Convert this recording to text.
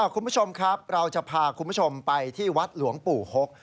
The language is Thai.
คุณผู้ชมครับเราจะพาคุณผู้ชมไปที่วัดหลวงปู่หก